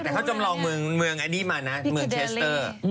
แต่เขาจำลองเมืองเชสเตอร์